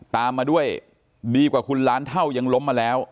ตามมาด้วยดีกว่าคุณล้านเท่ายังล้มมาแล้ว